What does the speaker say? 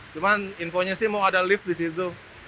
cuman infonya sih mau ada lift di situ